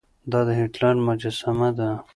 دا د هېټلر مجسمه ده.